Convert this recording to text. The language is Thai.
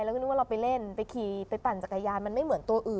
เราก็นึกว่าเราไปเล่นไปขี่ไปปั่นจักรยาน